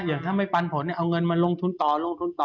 อย่างถ้าไม่ปันผลเนี่ยเอาเงินมาลงทุนต่อ